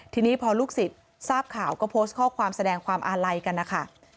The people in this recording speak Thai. ทีนี้พอลูกศิษย์ทราบข่าวก็โพสต์ข้อความแสดงความอาลัยกันนะคะ